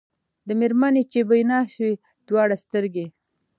د مېرمني چي بینا سوې دواړي سترګي